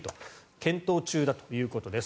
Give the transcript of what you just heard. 検討中だということです。